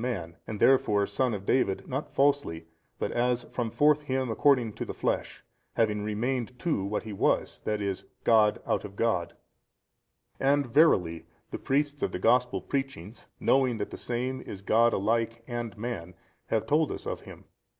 man, and therefore son of David not falsely but as from forth him according to the flesh, having remained too what He was, i. e. God out of God. And verily the priests of the gospel preachings, knowing that the Same is God alike and man, have told us of Him.